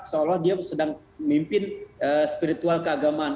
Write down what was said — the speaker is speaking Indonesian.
seolah dia sedang mimpin spiritual keagamaan